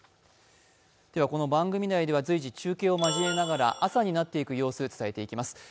この番組内では随時中継を交えながら朝になっていく様子を伝えていきます